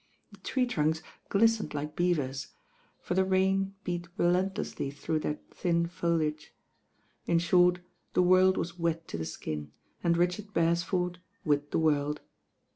Tlie tree trunks glittened like beavers; for the rtia beat relentlessly through their thin foliage. In short, the world was wet to the skin, and Richard Beresford with the world.